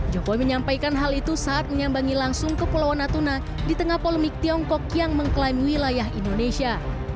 jokowi menyampaikan hal itu saat menyambangi langsung ke pulau natuna di tengah polemik tiongkok yang mengklaim wilayah indonesia